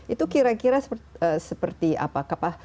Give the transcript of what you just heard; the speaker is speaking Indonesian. itu kira kira seperti apa